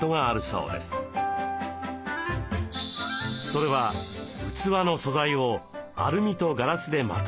それは器の素材をアルミとガラスでまとめること。